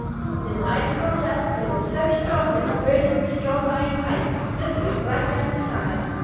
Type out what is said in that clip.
"Then the ice swelled up, and it was so strong that it burst the strong iron pipe, splitting it right down the side."